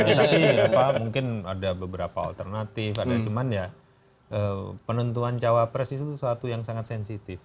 tapi apa mungkin ada beberapa alternatif ada cuman ya penentuan cowok pres itu suatu yang sangat sensitif